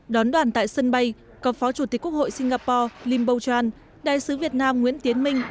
đón đoàn tại sân bay có phó chủ tịch quốc hội singapore lim bo chan đại sứ việt nam nguyễn tiến minh